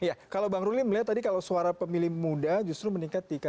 ya kalau bang ruli melihat tadi kalau suara pemilih muda justru meningkat